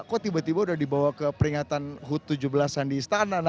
kok tiba tiba udah dibawa ke peringatan hut tujuh belas an di istana